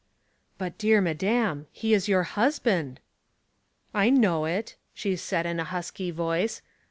''But, dear madam, he is your husband*'^ " I know it," she said, in a husky voice.